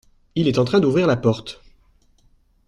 Il est en train d’ouvrir la porte.